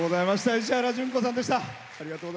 石原詢子さんでした。